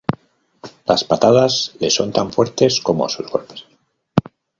Las patadas le son tan fuertes como sus golpes.